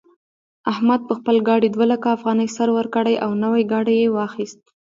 احمد په خپل ګاډي دوه لکه افغانۍ سر ورکړې او نوی ګاډی يې واخيست.